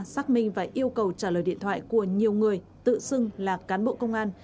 xác minh và yêu cầu trả lời điện thoại của nhiều người tự xưng là cán bộ công an